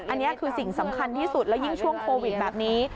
อันนี้คือสิ่งสำคัญที่สุดแล้วยิ่งช่วงโควิดแบบนี้